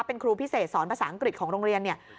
เป็นครูพิเศษสอนภาษาอังกฤษของโรงเรียนเนี่ย